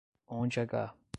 Onde h